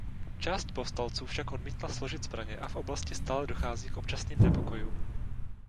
Část povstalců však odmítla složit zbraně a v oblasti stále dochází k občasným nepokojům.